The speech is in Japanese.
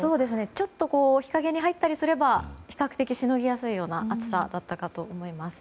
ちょっと日陰に入ったりすれば比較的しのぎやすい暑さだったかと思います。